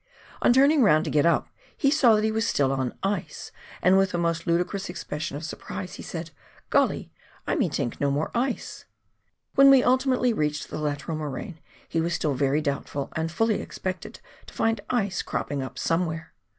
On turning round to get up, he saw that he was still on ice, and with the most ludicrous expression of surprise said, " Grolly, I me tink no more ice." When we ultimately reached the lateral moraine he was still very doubtful, and fully expected to find ice cropping up somewhere.